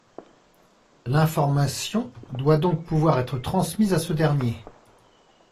L’information doit donc pouvoir être transmise à ce dernier.